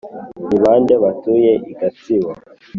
ni bande batuye i gatsibo?